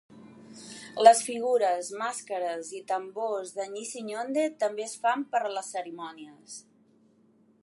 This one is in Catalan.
Les figures, màscares i tambors de "Nkisi nkonde" també es fan per a les cerimònies.